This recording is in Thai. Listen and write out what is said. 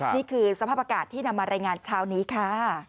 นี่คือสภาพอากาศที่นำมารายงานเช้านี้ค่ะ